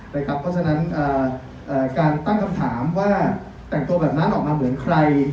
เพราะฉะนั้นการตั้งคำถามว่าแต่งตัวแบบนั้นออกมาเหมือนใคร